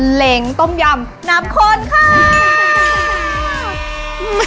เหลงต้มยำนับคนค่าาาาาา